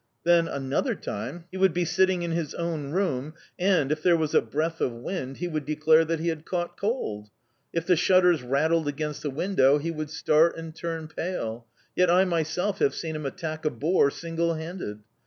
Then, another time, he would be sitting in his own room, and, if there was a breath of wind, he would declare that he had caught cold; if the shutters rattled against the window he would start and turn pale: yet I myself have seen him attack a boar single handed.